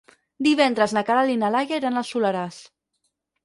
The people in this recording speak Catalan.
Divendres na Queralt i na Laia iran al Soleràs.